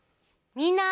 みんな！